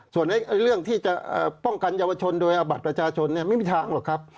ส่วนเรื่องที่จะป้องกันเยาวชนโดยเอาบัตรประชาชนไม่มีทางหรอกครับ